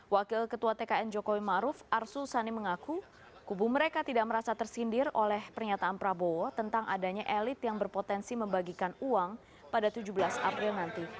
wakil ketua tkn jokowi maruf arsul sani mengaku kubu mereka tidak merasa tersindir oleh pernyataan prabowo tentang adanya elit yang berpotensi membagikan uang pada tujuh belas april nanti